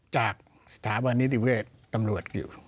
จากสถานกวันนี้ที่เวรตำรวจอยู่